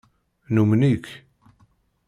Numen-ik.